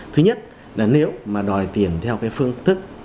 thứ nhất là nếu mà đòi tiền theo cái phương thức